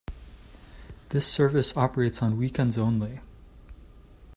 This service operates on weekends only.